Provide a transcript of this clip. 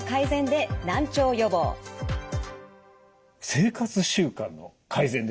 生活習慣の改善ですか。